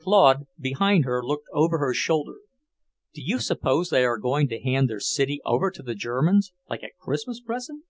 Claude, behind her, looked over her shoulder. "Do you suppose they are going to hand their city over to the Germans, like a Christmas present?